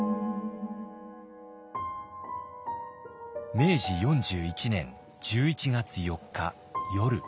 明治４１年１１月４日夜。